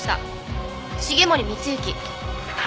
繁森光之。